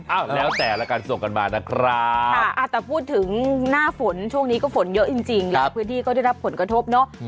แล้วแต่ละกันส่งกันมานะครับแต่พูดถึงหน้าฝนช่วงนี้ก็ฝนเยอะจริงหลายพื้นที่ก็ได้รับผลกระทบเนอะ